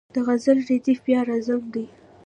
د غزل ردیف بیا راځم دی.